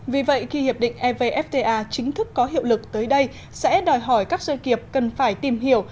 vì vậy khi hiệp định evfta chính thức có hiệu lực tới đây sẽ đòi hỏi các doanh nghiệp cần phải tìm hiểu